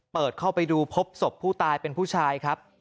เปิดเข้าไปดูพบศพผู้ตายเป็นผู้ชายครับ